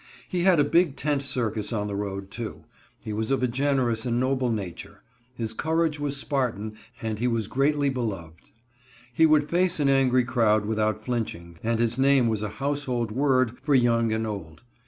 He had a big tent circus on the road, too. He was of a generous and noble nature; his courage was Spartan, and he was greatly beloved. He would face an angry crowd without flinching, and his name was a household word for young and old.